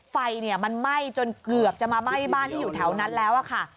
ไฟมันไหม้จนเกือบจะมาไหม้บ้านที่อยู่แถวนั้นแล้วค่ะ